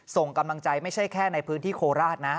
ส่งกำลังใจไม่ใช่แค่ในพื้นที่โคราชนะ